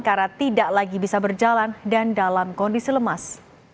karena tidak lagi bisa berjalan dan dalam kondisi lemas